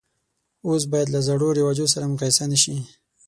اوس باید له زړو رواجو سره مقایسه نه شي.